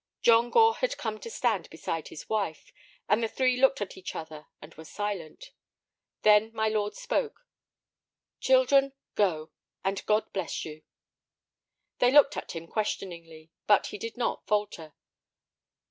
John Gore had come to stand beside his wife. And the three looked at each other and were silent. Then my lord spoke. "Children, go—and God bless you." They looked at him questioningly, but he did not falter.